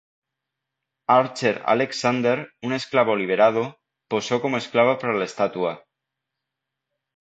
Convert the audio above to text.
Archer Alexander, un esclavo liberado, posó como esclavo para la estatua.